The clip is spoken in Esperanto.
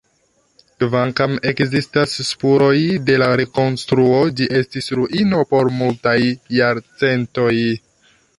Kvankam ekzistas spuroj de la rekonstruo, ĝi estis ruino por multaj jarcentoj.